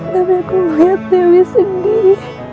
tapi aku melihat dewi sedih